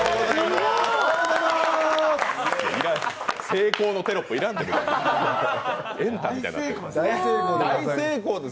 成功のテロップ要らんで。